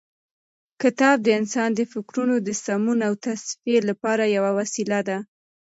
کتاب د انسان د فکرونو د سمون او تصفیې لپاره یوه وسیله ده.